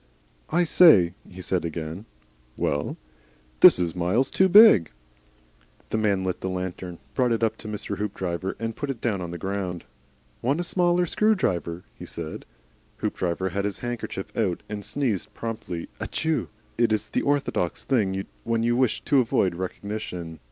"I say," he said again. "Well?" "This is miles too big." The man lit the lantern, brought it up to Hoopdriver and put it down on the ground. "Want a smaller screwdriver?" he said. Hoopdriver had his handkerchief out and sneezed a prompt ATICHEW. It is the orthodox thing when you wish to avoid recognition.